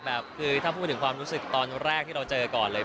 แบบคือถ้าพูดถึงความรู้สึกตอนแรกที่เราเจอก่อนเลย